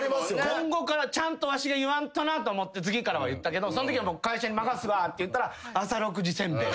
今後からちゃんとわしが言わんとなと思って次からは言ったけどそんときは会社に任すわって言ったら朝６時煎餅。